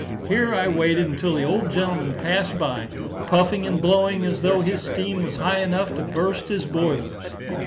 Here I waited until the old gentleman passed by, puffing and blowing, as tho' his steam was high enough to burst his boilers.